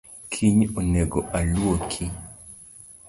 Kiny onego aluoki